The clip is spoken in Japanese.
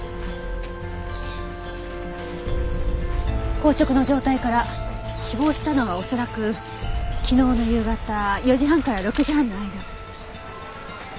硬直の状態から死亡したのは恐らく昨日の夕方４時半から６時半の間。